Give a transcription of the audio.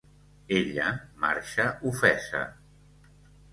Ella marxa ofesa.